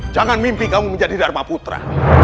jangan mimpi kamu menjadi dharma putra